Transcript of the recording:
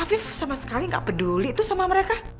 afif sama sekali nggak peduli itu sama mereka